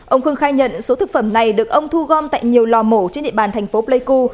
ông khương khai nhận số thực phẩm này được ông thu gom tại nhiều lò mổ trên địa bàn thành phố pleiku